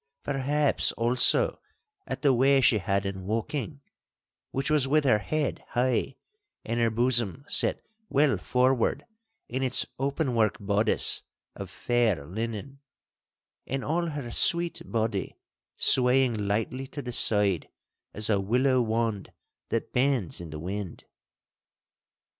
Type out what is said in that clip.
Perhaps, also, at the way she had in walking, which was with her head high and her bosom set well forward in its openwork bodice of fair linen, and all her sweet body swaying lightly to the side as a willow wand that bends in the wind.